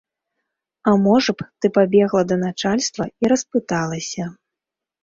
А можа б, ты пабегла да начальства і распыталася.